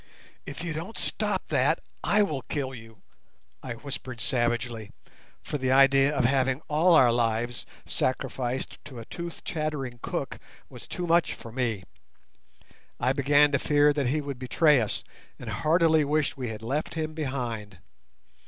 "If you don't stop that I will kill you," I whispered savagely; for the idea of having all our lives sacrificed to a tooth chattering cook was too much for me. I began to fear that he would betray us, and heartily wished we had left him behind.